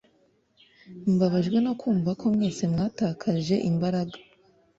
Mbabajwe no kumva ko mwese mwatakaje imbaraga